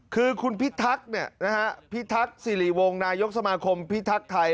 คือคุณพิทักษ์พิทักษ์สิริวงศ์นายกสมาคมพิทักษ์ไทย